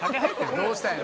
どうしたんや？